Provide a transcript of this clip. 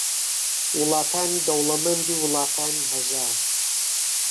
وڵاتانی دەوڵەمەند و وڵاتانی ھەژار